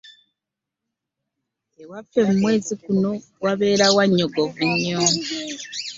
Ewaffe mu mwezi guno wabeera wannyogovu nnyo.